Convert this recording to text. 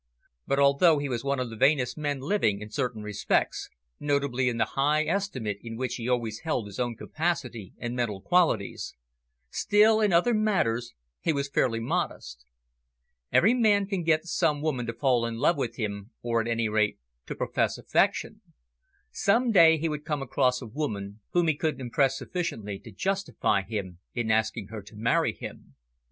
But although he was one of the vainest men living in certain respects, notably in the high estimate in which he always held his own capacity and mental qualities, still in other matters he was fairly modest. Every man can get some woman to fall in love with him, or, at any rate, to profess affection. Some day he would come across a woman whom he could impress sufficiently to justify him in asking her to marry him.